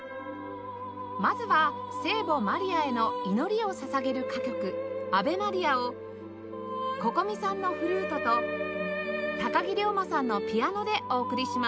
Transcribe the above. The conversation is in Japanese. まずは聖母マリアへの祈りをささげる歌曲『アヴェ・マリア』を Ｃｏｃｏｍｉ さんのフルートと木竜馬さんのピアノでお送りします